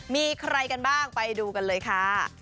มีใครกันบ้างไปดูกันเลยค่ะ